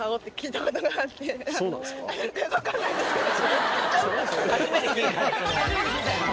分かんないんですけど。